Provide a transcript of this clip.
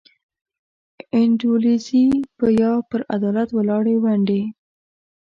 انډولیزي یا پر عدالت ولاړې ونډې.